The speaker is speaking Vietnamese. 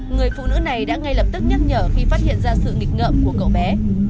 người phụ nữ này đã ngay lập tức nhắc nhở khi phát hiện ra sự nghịch ngợm của cậu bé